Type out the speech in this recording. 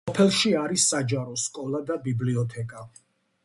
სოფელში არის საჯარო სკოლა და ბიბლიოთეკა.